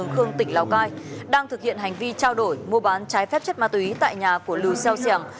hương tỉnh lào cai đang thực hiện hành vi trao đổi mua bán trái phép chất ma túy tại nhà của lưu xeo giàng